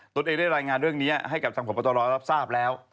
ตนเองได้รายงานเรื่องนี้ไว้กับทางผัวบัตรวรรภ์รับทราบแล้ว